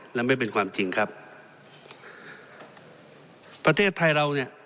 และไม่เป็นความจริงครับประเทศไทยเราเนี่ย